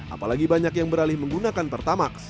apalagi banyak yang beralih menggunakan pertamax